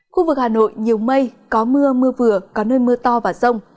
khu vực hà nội nhiều mây có mưa mưa vừa có nơi mưa to và rông